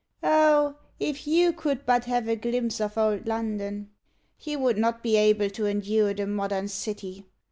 Oh! if you could but have a glimpse of Old London, you would not be able to endure the modern city.